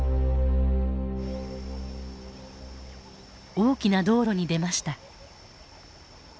大きな道路に出ました。